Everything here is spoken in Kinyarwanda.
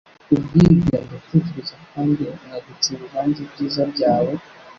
Kubwibyo ndatekereza kandi nkagucira urubanza ibyiza byawe